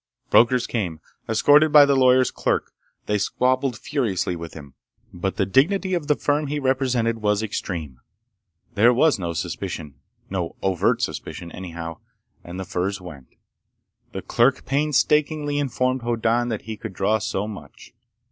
Brokers came, escorted by the lawyer's clerk. They squabbled furiously with him. But the dignity of the firm he represented was extreme. There was no suspicion—no overt suspicion anyhow—and the furs went. The clerk painstakingly informed Hoddan that he could draw so much.